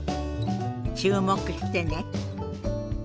注目してね。